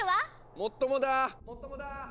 ・もっともだ！